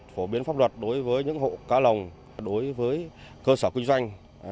phổ biến pháp luật đối với những hộ cá lồng đối với cơ sở kinh doanh